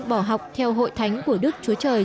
bỏ học theo hội thánh của đức chúa trời